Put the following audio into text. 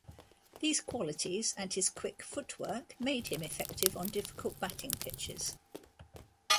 These qualities, and his quick footwork, made him effective on difficult batting pitches.